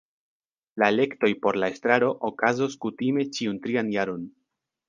La elektoj por la estraro okazos kutime ĉiun trian jaron.